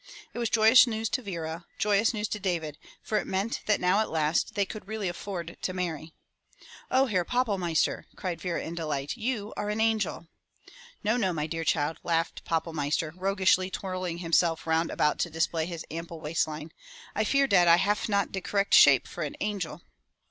It was joyous news to Vera, joyous news to David, for it meant that now at last they could really afford to marry. "Oh, Herr Pappelmeister," cried Vera in delight, "You are an angel!" "No, no, my dear child," laughed Pappelmeister, roguishly twirling himself round about to display his ample waist line. 205 MY BOOK HOUSE I fear dat I haf not de correct shape for an angel."